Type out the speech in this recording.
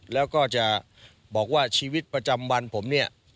แล้วก็จะบอกว่าชีวิตประจำวันผมเนี่ย